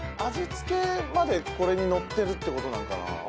味付けまでこれにのってるってことなんかな？